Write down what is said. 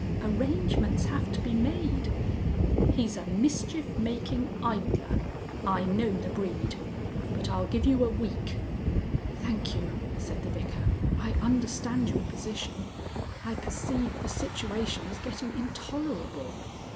"Arrangements have to be made." "He's a mischief making idler.... I know the breed. But I'll give you a week " "Thank you," said the Vicar. "I understand your position. I perceive the situation is getting intolerable...."